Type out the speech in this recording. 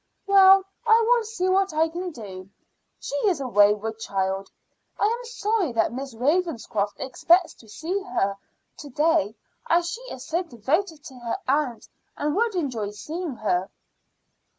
"Well, I will see what I can do. She is a wayward child. I am sorry that Miss Ravenscroft expects her to go to see her to day, as she is so devoted to her aunt and would enjoy seeing her."